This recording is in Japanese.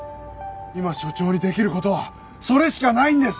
今署長にできる事はそれしかないんです！